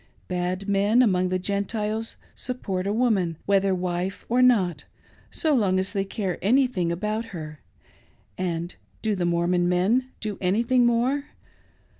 Bad men atnong the Gentiles support a woman — whether wife or not — so long as they care anything about her ; and do the Mormon men do anything more?